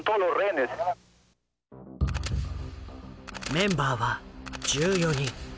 メンバーは１４人。